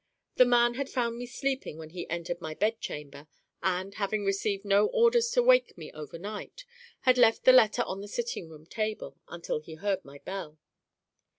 The man had found me sleeping when he entered my bed chamber, and, having received no orders to wake me overnight, had left the letter on the sitting room table until he heard my bell.